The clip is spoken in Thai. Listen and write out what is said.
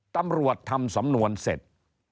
ตำรวจทำสำนวนเสร็จ